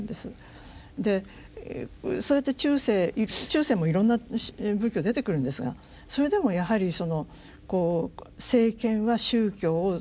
でそうやって中世もいろんな仏教出てくるんですがそれでもやはりそのこう政権は宗教を使い続ける。